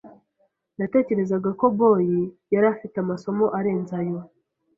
Natekerezaga ko Boy yari afite amasomo arenze ayo.